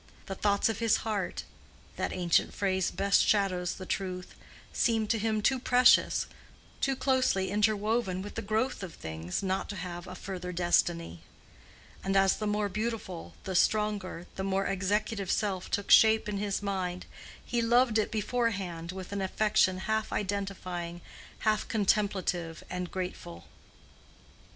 The thoughts of his heart (that ancient phrase best shadows the truth) seemed to him too precious, too closely interwoven with the growth of things not to have a further destiny. And as the more beautiful, the stronger, the more executive self took shape in his mind, he loved it beforehand with an affection half identifying, half contemplative and grateful.